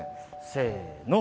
せの。